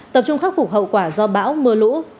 tập trung khắc phục hậu quả do bão mưa lũ